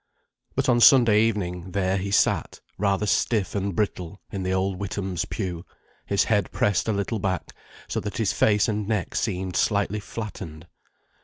But on Sunday evening, there he sat, rather stiff and brittle in the old Withams' pew, his head pressed a little back, so that his face and neck seemed slightly flattened.